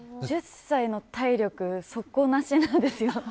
１０歳の体力、底なしなんですよ。